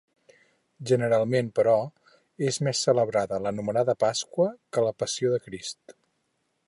Generalment però, és més celebrada l'anomenada Pasqua que la passió de Crist.